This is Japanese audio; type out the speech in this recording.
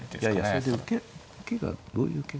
それで受けがどういう受けがある。